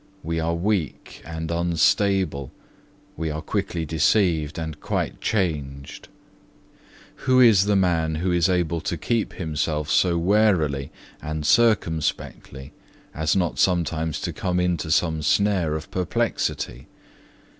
We are weak and unstable, we are quickly deceived and quite changed. 2. Who is the man who is able to keep himself so warily and circumspectly as not sometimes to come into some snare of perplexity?